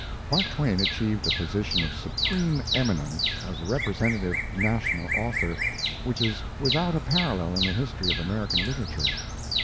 Mark Twain achieved a position of supreme eminence as a representative national author which is without a parallel in the history of American literature.